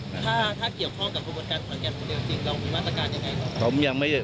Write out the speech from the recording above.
ถ้าถ้าเกี่ยวข้องกับคุณบริษัทภักดิ์แข่งผู้เดินจริงเราคิดว่าต้องการยังไงต่อไป